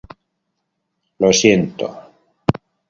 Lo siento".